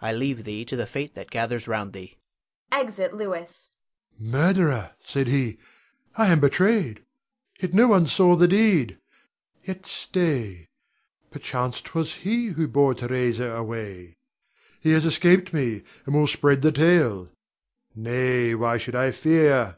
I leave thee to the fate that gathers round thee. [Exit Louis. Rod. "Murderer," said he. I am betrayed, yet no one saw the deed. Yet, stay! perchance 'twas he who bore Theresa away. He has escaped me, and will spread the tale. Nay, why should I fear?